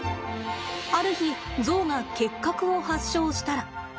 ある日ゾウが結核を発症したら。